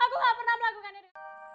aku gak pernah melakukan itu